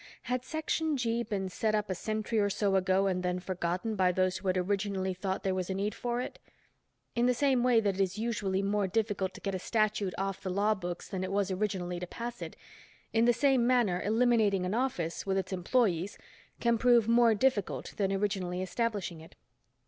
Had Section G been set up a century or so ago and then forgotten by those who had originally thought there was a need for it? In the same way that it is usually more difficult to get a statute off the lawbooks than it was originally to pass it, in the same manner eliminating an office, with its employees can prove more difficult than originally establishing it.